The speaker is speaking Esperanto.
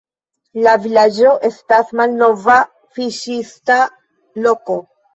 La vilaĝo estas malnova fiŝista loko.